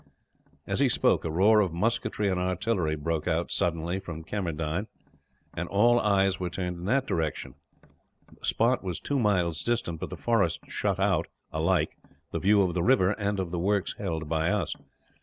As he spoke, a roar of musketry and artillery broke out suddenly from Kemmendine, and all eyes were turned in that direction. The spot was two miles distant, but the forest shut out, alike, the view of the river and of the works held by us.